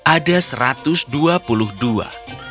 ada seratus dua puluh dua